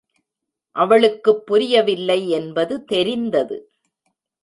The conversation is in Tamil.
அவளுக்குப் புரியவில்லை என்பது தெரிந்தது.